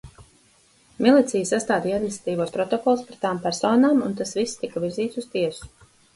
Milicija sastādīja administratīvos protokolus par tām personām, un tas viss tika virzīts uz tiesu.